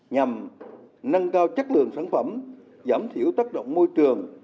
nhằm nâng cao chất lượng sản phẩm giảm thiểu tác động môi trường